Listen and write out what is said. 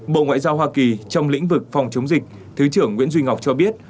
bộ ngoại giao hoa kỳ trong lĩnh vực phòng chống dịch thứ trưởng nguyễn duy ngọc cho biết